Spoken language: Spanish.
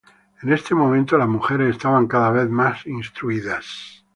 En este momento, las mujeres estaban cada vez más instruidas.